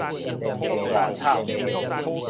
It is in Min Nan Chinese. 大草